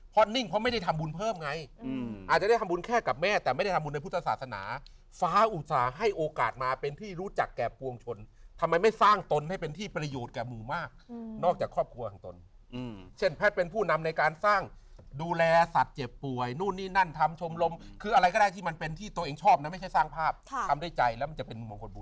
เพราะนิ่งเพราะไม่ได้ทำบุญเพิ่มไงอาจจะได้ทำบุญแค่กับแม่แต่ไม่ได้ทำบุญในพุทธศาสนาฟ้าอุตส่าห์ให้โอกาสมาเป็นที่รู้จักแก่ปวงชนทำไมไม่สร้างตนให้เป็นที่ประโยชนแก่หมู่มากนอกจากครอบครัวของตนเช่นแพทย์เป็นผู้นำในการสร้างดูแลสัตว์เจ็บป่วยนู่นนี่นั่นทำชมรมคืออะไรก็ได้ที่มันเป็นที่ตัวเองชอบนะไม่ใช่สร้างภาพทำด้วยใจแล้วมันจะเป็นมงคลบุญ